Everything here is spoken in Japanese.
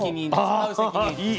ああいい。